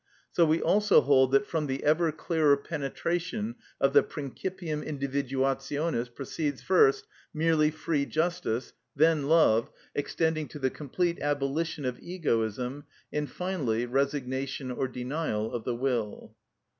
So we also hold that from the ever clearer penetration of the principium individuationis proceeds, first, merely free justice, then love, extending to the complete abolition of egoism, and finally resignation or denial of the will.